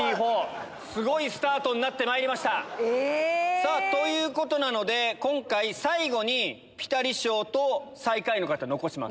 さぁということなので今回最後にピタリ賞と最下位の方残します。